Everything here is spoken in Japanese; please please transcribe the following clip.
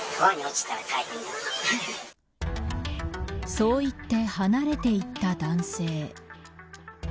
そう言って離れていった男性。